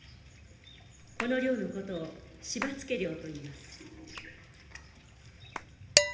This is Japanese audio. この漁のことを柴つけ漁といいます。